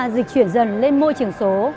dịch chuyển dần lên môi trường số